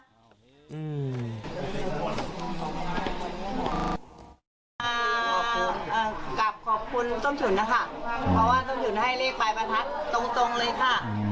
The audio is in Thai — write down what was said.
กลับขอบคุณส้มฉุนนะคะเพราะว่าส้มฉุนให้เลขปลายประทัดตรงตรงเลยค่ะ